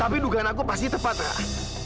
tapi dugaan aku pasti tepat kak